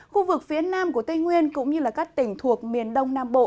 khu vực phía nam của tây nguyên cũng như các tỉnh thuộc miền đông nam bộ